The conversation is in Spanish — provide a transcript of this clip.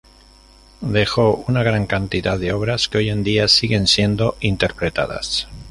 Dejó una gran cantidad de obras que hoy en día siguen siendo interpretadas.